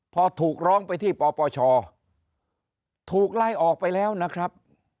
พอถูกร้องไปที่ปปชถูกไล่ออกไปแล้วนะครับ